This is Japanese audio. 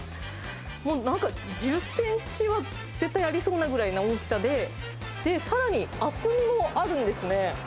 もうなんか、１０センチは絶対ありそうなぐらいの大きさで、さらに厚みもあるんですね。